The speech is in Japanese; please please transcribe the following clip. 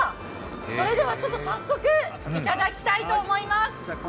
それでは早速いただきたいと思います。